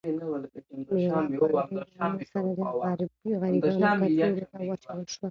مېوه په ډېرې مینې سره د غریبانو کڅوړو ته واچول شوه.